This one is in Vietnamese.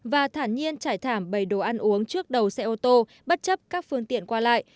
và thản nhiên trải thảm bầy đồ ăn uống trước đầu xe ô tô bất chấp các phương tiện qua lại